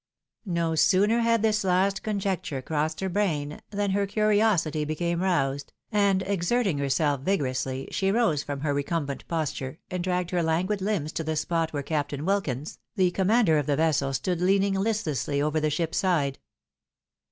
No sooner had this last conjecture crossed her brain, than her curiosity became roused, and exerting herself vigorously, she rose from her recumbent posture, and dragged her languid hmbs to the spot where Captain Wilkins, the commander of the vessel, stood leaning listlrasly over the ship's side.